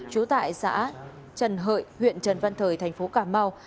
trú tại xã trần hợi huyện trần văn thời thành phố cà mau